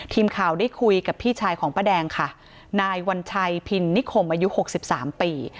ทีมข่าวได้คุยกับพี่ชายของป้าแดงค่ะนายวัญชัยพินนิคมอายุหกสิบสามปี